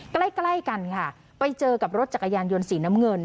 ใกล้ใกล้กันค่ะไปเจอกับรถจักรยานยนต์สีน้ำเงิน